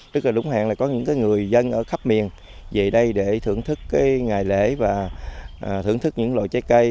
tức là đúng hẹn là có những người dân ở khắp miền về đây để thưởng thức cái ngày lễ và thưởng thức những loại trái cây